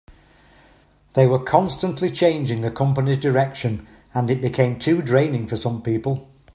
They were constantly changing the company's direction, and it became too draining for some people.